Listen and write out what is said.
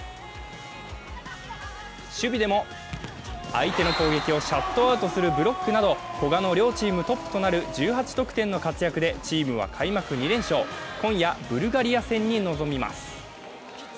守備でも相手の攻撃をシャットアウトするブロックなど古賀の両チームトップとなる１８得点の活躍でチームは開幕２連勝、今夜、ブルガリア戦に臨みます。